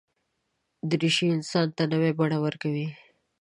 دریشي انسان ته نوې بڼه ورکوي.